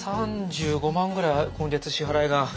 ３５万ぐらい今月支払いが。